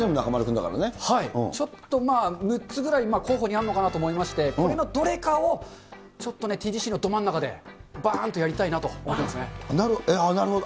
ちょっと、まだ６つぐらい候補にあるのかなと思いまして、これのどれかをちょっとね、ＴＧＣのど真ん中でばーんとやりああ、なるほど。